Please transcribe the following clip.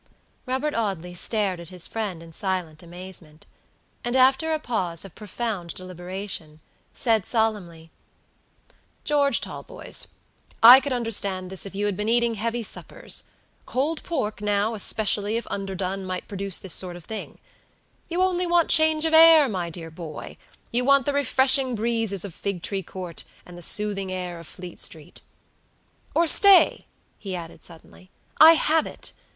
Robert Audley stared at his friend in silent amazement; and, after a pause of profound deliberation, said solemnly, "George Talboys, I could understand this if you had been eating heavy suppers. Cold pork, now, especially if underdone, might produce this sort of thing. You want change of air, my dear boy; you want the refreshing breezes of Figtree Court, and the soothing air of Fleet street. Or, stay," he added, suddenly, "I have it!